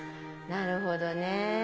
なるほどね。